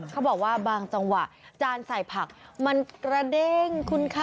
เขาบอกว่าบางจังหวะจานใส่ผักมันกระเด้งคุณคะ